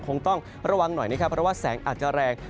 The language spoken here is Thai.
คงต้องระวังหน่อยนะครับเพราะว่าแสงอาจจะแรง